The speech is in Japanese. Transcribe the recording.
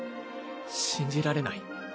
信じられない？